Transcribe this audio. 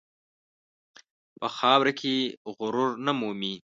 په خاوره کې غرور نه مومي.